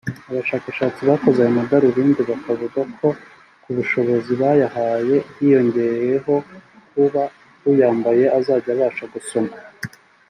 Abashakashatsi bakoze aya madarubindi bakavuga ko ku bushobozi bayahaye hiyongeraho kuba uyambaye azajya abasha gusoma ibyanditse ku mpapuro